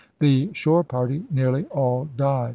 The shore party nearly all died.